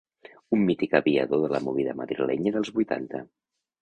Un mític aviador de la “Movida” madrilenya dels vuitanta.